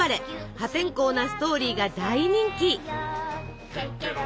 破天荒なストーリーが大人気！